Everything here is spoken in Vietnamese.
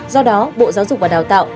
do đó bộ giáo dục và đào tạo